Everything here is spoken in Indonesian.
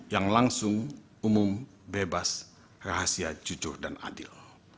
yang langsung umum bebas rahasia jujur dan adil